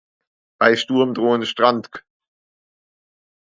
Bei Sturm drohen Strandk